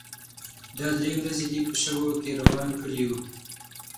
دا درې ورځې دې په شګو کې روان کړي يو.